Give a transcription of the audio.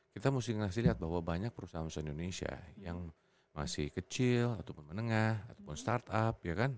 kita mesti ngasih lihat bahwa banyak perusahaan perusahaan indonesia yang masih kecil ataupun menengah ataupun startup